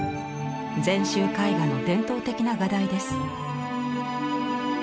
禅宗絵画の伝統的な画題です。